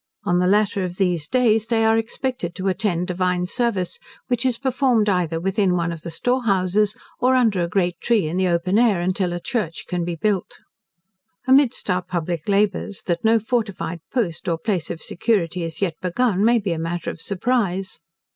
On the latter of those days they are expected to attend divine service, which is performed either within one of the storehouses, or under a great tree in the open air, until a church can be built. Amidst our public labours, that no fortified post, or place of security, is yet begun, may be a matter of surprise.